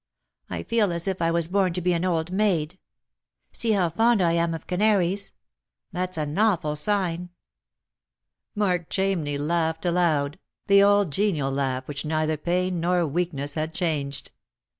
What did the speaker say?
I feel as if I was born to be an old maid. See how fond I am oi canaries ! That's an awful sign." Mark Chamney laughed aloud — the old genial laugh which neither pain nor weakness had changed.